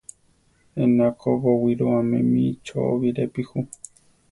Ena ko bowirúame mí chó birepi ju.